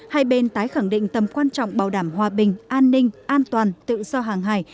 hai bên tái khẳng định tầm quan trọng bảo đảm hòa bình an ninh an toàn tự do hàng hải